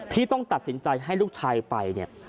ที่ต้องตัดสินใจให้ลูกชายไปเนี่ย